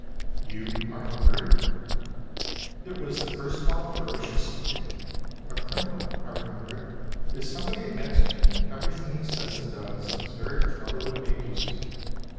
"You are hungry?" It was the erstwhile ferocious speaking. A criminal, I remembered, is somebody against whom everything he says and does is very cleverly made use of.